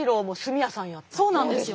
そうなんですよ